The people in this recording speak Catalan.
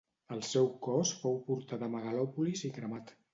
El seu cos fou portat a Megalòpolis i cremat.